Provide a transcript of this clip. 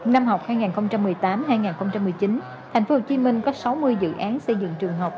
năm học hai nghìn một mươi tám hai nghìn một mươi chín thành phố hồ chí minh có sáu mươi dự án xây dựng trường học